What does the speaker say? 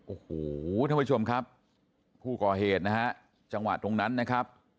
โอ้โหท่านผู้ชมครับผู้ก่อเหตุนะฮะจังหวะตรงนั้นนะครับ